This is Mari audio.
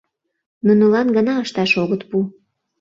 Нунылан гына ышташ огыт пу.